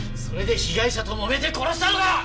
それで被害者ともめて殺したのか！